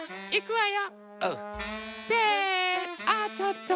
いくわよ。